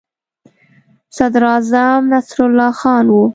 صدراعظم نصرالله خان وو.